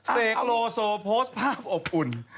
เสกโลโซโพสต์ภาพอบอุ่น